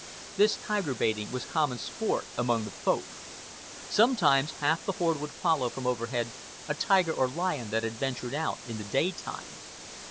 This tiger baiting was common sport among the folk. Sometimes half the horde would follow from overhead a tiger or lion that had ventured out in the daytime.